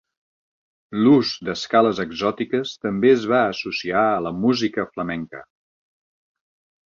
L'ús d'escales exòtiques també es va associar a la música flamenca.